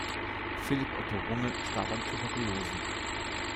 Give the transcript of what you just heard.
Philipp Otto Runge starb an Tuberkulose.